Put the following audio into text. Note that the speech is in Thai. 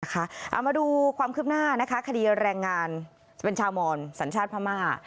เอามาดูความคืบหน้านะคะคดีแรงงานเป็นชาวมอนสัญชาติพม่า